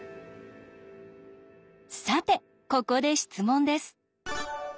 さてここで質問です。